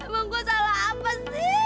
emang gue salah apa sih